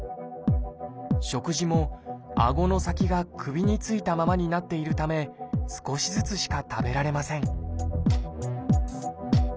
食事もあごの先が首についたままになっているため少しずつしか食べられません